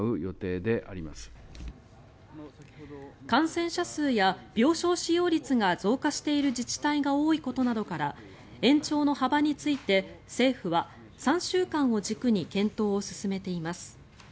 感染者数や病床使用率が増加している自治体が多いことなどから延長の幅について、政府は３週間を軸に検討を進めています。